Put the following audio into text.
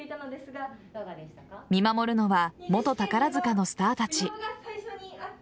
見守るのは元宝塚のスターたち。